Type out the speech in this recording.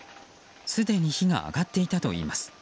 すでに火が上がっていたといいます。